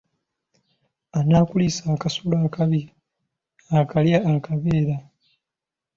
Anaakuliisa akasolo akabi, akalya akabeera.